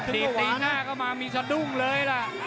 ตีบตีหน้าเข้ามามีสะดุ้งเลยล่ะ